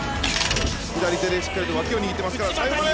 左手でしっかりと脇を握ってますから最後まで！